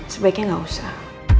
sebaiknya gak usah